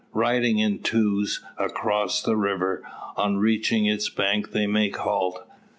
Riding in twos across the river, on reaching its bank they make halt.